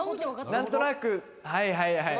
何となく、はいはい。